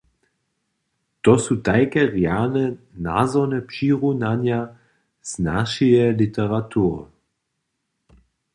To su tajke rjane nazorne přirunanja z našeje literatury.